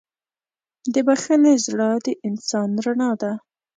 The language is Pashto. د بښنې زړه د انسان رڼا ده.